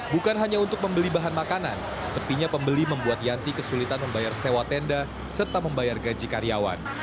bukan hanya untuk membeli bahan makanan sepinya pembeli membuat yanti kesulitan membayar sewa tenda serta membayar gaji karyawan